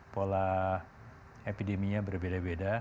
pola epideminya berbeda beda